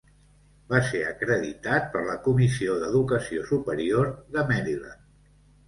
Va ser acreditat per la Comissió d'Educació Superior de Maryland.